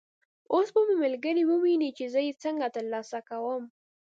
اوس به مې ملګري وویني چې زه یې څنګه تر لاسه کوم.